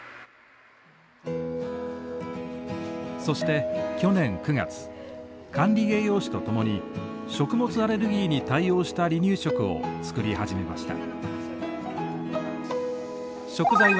そして去年９月管理栄養士と共に食物アレルギーに対応した離乳食を作り始めました。